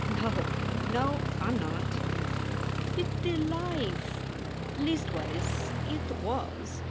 "No o, no, I m not." "It s the life! leastways it was.